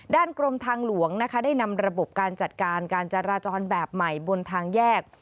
กรมทางหลวงนะคะได้นำระบบการจัดการการจราจรแบบใหม่บนทางแยก